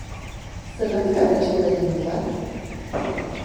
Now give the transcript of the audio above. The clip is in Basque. Zergatik aberastu da jende bat?